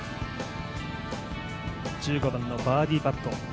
１５番のバーディーパット。